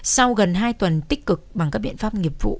sau gần hai tuần tích cực bằng các biện pháp nghiệp vụ